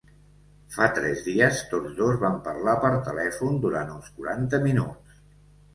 Fa tres dies, tots dos van parlar per telèfon durant uns quaranta minuts.